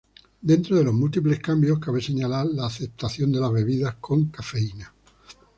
Dentro de los múltiples cambios cabe señalar la aceptación de las bebidas con cafeína.